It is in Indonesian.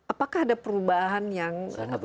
apakah ada perubahan yang